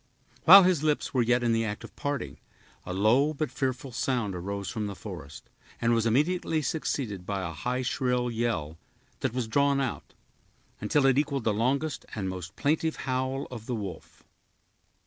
While his lips were yet in the act of parting, a low but fearful sound arose from the forest, and was immediately succeeded by a high, shrill yell, that was drawn out, until it equaled the longest and most plaintive howl of the wolf.